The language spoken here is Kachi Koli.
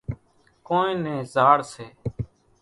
ڪونئين نين زاڙ سي۔